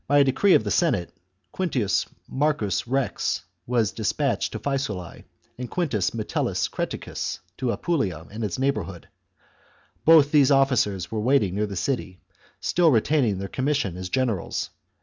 By a decree of the Senate, Quintus Marcus Rex was des patched to Faesulae, and Quintus Metellus Creticus to Apulia and its neighbourhood. Both these officers were waiting near the city, still retaining their commission as generals.